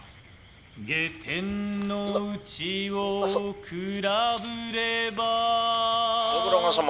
「下天の内をくらぶれば」「信長様」。